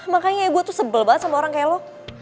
makanya ya gua tuh sebel banget sama orang kayak lo